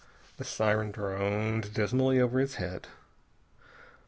The siren droned dismally over his head.